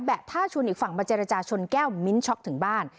ท่าชวนอีกฝั่งมาเจรจาชนแก้วมิ้นช็อกถึงบ้าน